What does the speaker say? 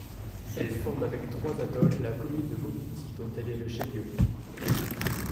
Elle forme, avec trois atolls, la commune de Maupiti dont elle est le chef-lieu.